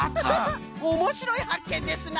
おもしろいはっけんですな！